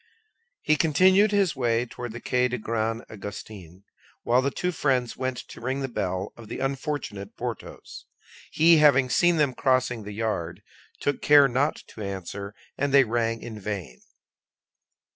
He continued his way toward the Quai des Grands Augustins, while the two friends went to ring at the bell of the unfortunate Porthos. He, having seen them crossing the yard, took care not to answer, and they rang in vain.